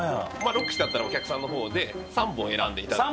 ６串だったらお客さんのほうで３本選んで頂いて。